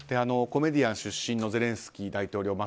コメディアン出身のゼレンスキー大統領。